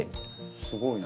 すごいな。